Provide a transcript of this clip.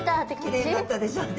「きれいになったでしょ」って。